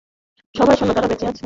সবাই শোনো, তারা বেঁচে আছে।